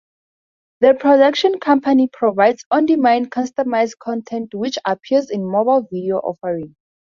The production company provides on demand-customized content, which appears in mobile video offering.